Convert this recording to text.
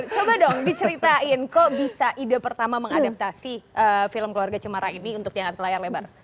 coba dong diceritain kok bisa ide pertama mengadaptasi film keluarga cumara ini untuk tindakan kelayar lebar